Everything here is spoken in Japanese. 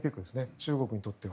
中国にとっては。